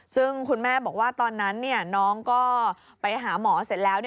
ซึ่งคุณแม่บอกว่าตอนนั้นน้องก็ไปหาหมอเสร็จแล้ว